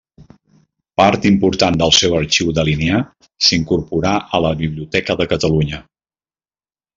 Part important del seu arxiu dalinià s'incorporà a la Biblioteca de Catalunya.